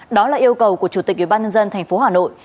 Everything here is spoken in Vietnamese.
đó là yêu cầu của chủ tịch ubnd tp hà nội